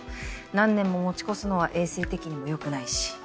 何年も持ち越すのは衛生的にもよくないし。